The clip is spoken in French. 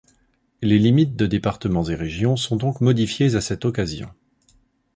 Les limites de départements et régions sont donc modifiées à cette occasion.